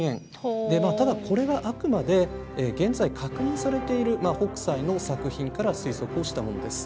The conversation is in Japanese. ただこれはあくまで現在確認されている北斎の作品から推測をしたものです。